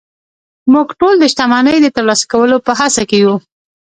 موږ ټول د شتمنۍ د ترلاسه کولو په هڅه کې يو